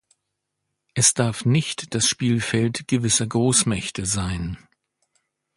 Es darf nicht das Spielfeld gewisser Großmächte sein.